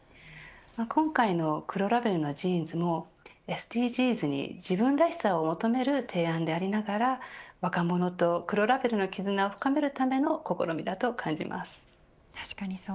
今回の黒ラベルのジーンズもＳＤＧｓに自分らしさを求める提案でありながら若者と黒ラベルの絆を深めるための試みだと感じます。